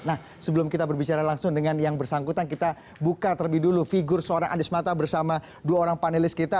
nah sebelum kita berbicara langsung dengan yang bersangkutan kita buka terlebih dulu figur seorang anies mata bersama dua orang panelis kita